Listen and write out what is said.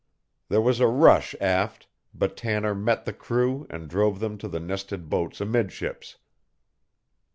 There was a rush aft, but Tanner met the crew and drove them to the nested boats amidships.